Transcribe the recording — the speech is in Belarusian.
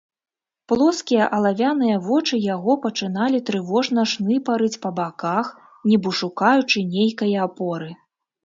Плоскія алавяныя вочы яго пачыналі трывожна шныпарыць па баках, нібы шукаючы нейкае апоры.